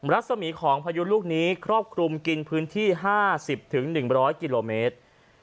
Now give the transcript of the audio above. รัศมีของพายุลูกนี้ครอบคลุมกินพื้นที่๕๐๑๐๐กิโลเมตร